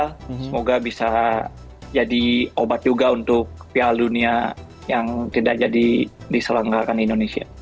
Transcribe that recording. semoga bisa jadi obat juga untuk piala dunia yang tidak jadi diselenggarakan di indonesia